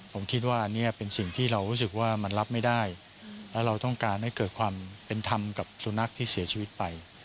ผมคิดว่าอันนี้เป็นสิ่งที่เรารู้สึกว่ามันรับไม่ได้แล้วเราต้องการให้เกิดความเป็นธรรมกับสุนัขที่เสียชีวิตไป